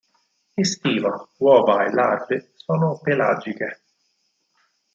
Estiva, uova e larve sono pelagiche.